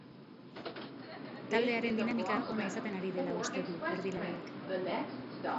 Taldearen dinamika ona izaten ari dela uste du erdilariak.